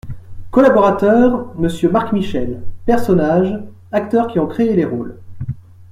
COLLABORATEUR : Monsieur MARC-MICHEL PERSONNAGES Acteurs qui ont créé les rôles.